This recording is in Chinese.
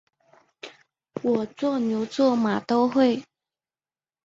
我做牛做马都会